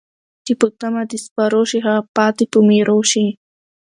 چې په تمه د سپرو شي ، هغه پاتې په میرو ښی